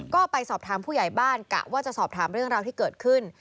ก็ไปสอบถามผู้ใหญ่บ้านกะว่าจะสอบถามเรื่องราวที่เกิดขึ้น